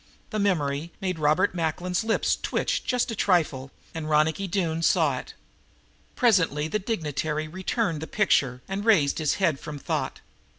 The memory made Robert Macklin's lips twitch just a trifle, and Ronicky Doone saw it. Presently the dignitary returned the picture and raised his head from thought.